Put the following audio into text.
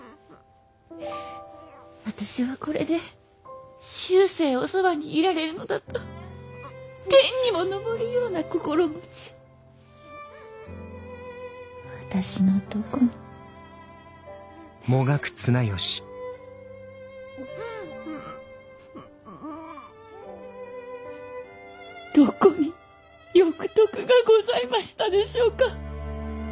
私はこれで終生おそばにいられるのだと天にも昇るような心もち私のどこにどこに欲得がございましたでしょうか！